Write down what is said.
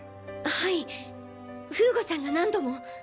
はい風悟さんが何度も。